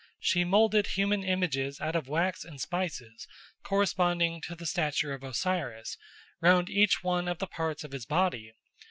She moulded human images out of wax and spices, corresponding to the stature of Osiris, round each one of the parts of his body.